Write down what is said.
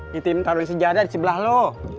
nitip taruhin sejadah di sebelah lo